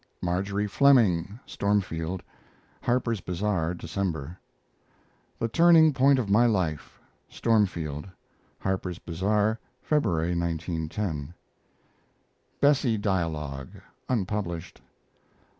MARJORIE FLEMING (Stormfield) Harper's Bazar, December. THE TURNING POINT OF MY LIFE (Stormfield) Harper's Bazar, February, 1910 BESSIE DIALOGUE (unpublished).